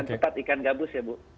ikan cepat ikan gabus ya bu